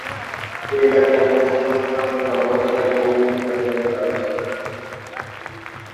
এ এলাকার প্রধান সমস্যা হলো জলাবদ্ধতা এবং মৃত্তিকাতে ক্ষারত্ব।